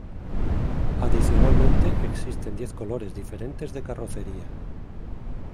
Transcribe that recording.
Adicionalmente existen diez colores diferentes de carrocería.